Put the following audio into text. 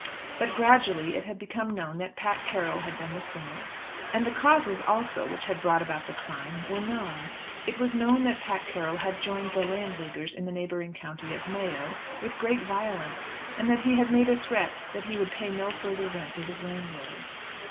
But gradually it had become known that Pat Carroll had been the sinner, and the causes also which had brought about the crime were known. It was known that Pat Carroll had joined the Landleaguers in the neighbouring county of Mayo with great violence, and that he had made a threat that he would pay no further rent to his landlord.